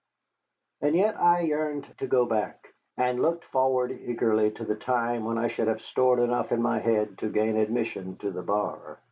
And yet I yearned to go back, and looked forward eagerly to the time when I should have stored enough in my head to gain admission to the bar.